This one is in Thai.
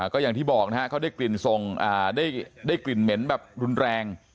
ก็อย่างที่บอกนะฮะเขาได้กลิ่นเหม็นแบบรุนแรง